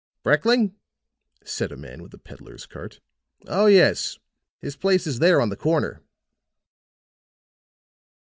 "Brekling?" said a man with a peddler's cart. "Oh, yes, his place is there on the corner."